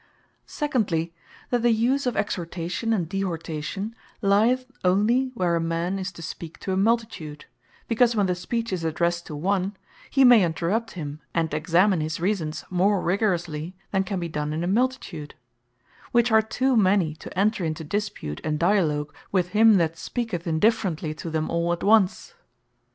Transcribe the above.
Secondly, that the use of Exhortation and Dehortation lyeth onely, where a man is to speak to a Multitude; because when the Speech is addressed to one, he may interrupt him, and examine his reasons more rigorously, than can be done in a Multitude; which are too many to enter into Dispute, and Dialogue with him that speaketh indifferently to them all at once.